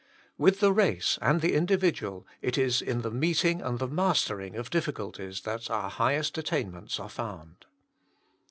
With the race and the individual, it is in. the meeting and the mastering of difficulties that our highest attainments are found.